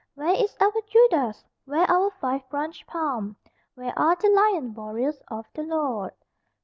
Where is our Judas? Where our five branched palm? Where are the lion warriors of the Lord?